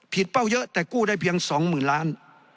ผิดเป้าเยอะแต่กู้ได้เพียง๒หมื่นล้าน